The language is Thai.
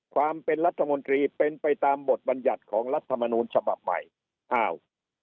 ความเป็นรัฐมนตรีเป็นไปตามบทบัญญัติของรัฐมนูลฉบับใหม่อ้าว